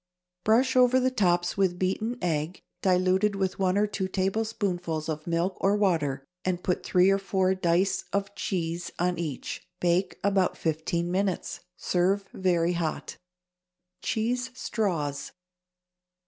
Brush over the tops with beaten egg, diluted with one or two tablespoonfuls of milk or water, and put three or four dice of cheese on each. Bake about fifteen minutes. Serve very hot. =Cheese Straws.